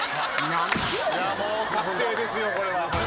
もう確定ですよこれは。